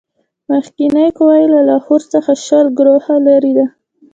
مخکنۍ قوه یې له لاهور څخه شل کروهه لیري ده.